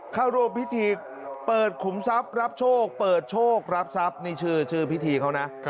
เข้าร่วมพิธีเปิดขุมทรัพย์รับโชคเปิดโชครับทรัพย์นี่ชื่อพิธีเขานะ